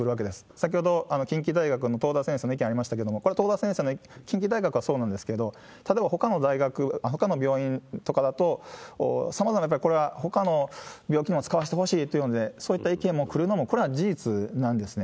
先ほど、近畿大学の東田先生の意見ありましたけれども、これ、東田先生の近畿大学はそうなんですけれども、例えばほかの大学、ほかの病院とかだとさまざまな、これはやっぱりほかの病気にも使わせてほしいというので、そういった意見も来るのもこれは事実なんですね。